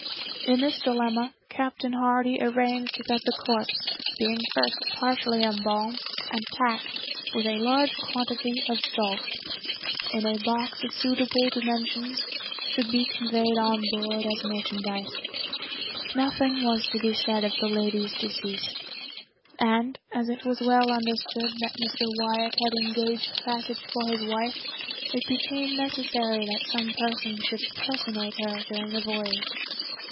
In this dilemma, Captain Hardy arranged that the corpse, being first partially embalmed, and packed, with a large quantity of salt, in a box of suitable dimensions, should be conveyed on board as merchandise. Nothing was to be said of the lady's decease; and, as it was well understood that Mr. Wyatt had engaged passage for his wife, it became necessary that some person should personate her during the voyage.